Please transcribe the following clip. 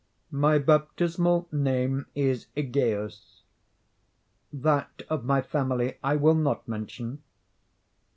My baptismal name is Egaeus; that of my family I will not mention.